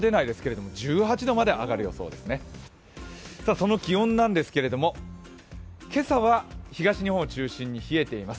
その気温なんですけど、今朝は東日本を中心に冷えています。